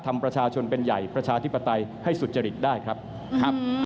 ประชาชนเป็นใหญ่ประชาธิปไตยให้สุจริตได้ครับครับ